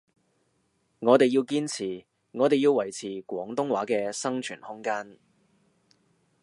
我哋要堅持，我哋要維持廣東話嘅生存空間